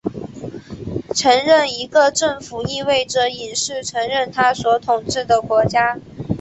承认一个政府意味着隐式承认它所统治的国家。